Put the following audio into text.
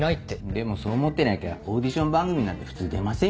でもそう思ってなきゃオーディション番組なんて普通出ませんよね？